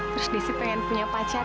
terus desi pengen punya pacar